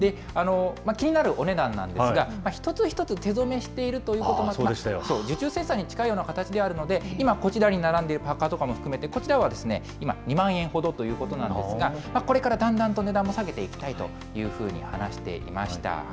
気になるお値段なんですが、一つ一つ手染めしているということで、受注生産に近いような形であるので、今こちらに並んでいるパーカとかも含めてこちらは今、２万円ほどということなんですが、これからだんだんと値段も下げていきたいと話していました。